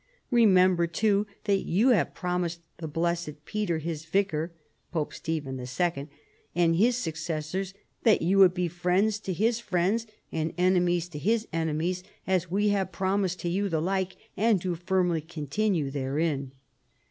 Remember, too, that you have prom ised the blessed Peter, his vicar [Pope Stephen II.] and his successors that you would be friends to his friends and enemies to his enemies, as we have prom ised to you the like and do firmly continue therein.